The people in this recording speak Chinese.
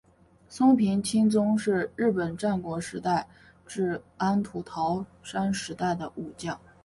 松平清宗是日本战国时代至安土桃山时代的武将。